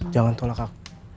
jangan tolak aku